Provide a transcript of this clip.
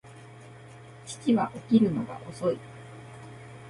父は起きるのが遅い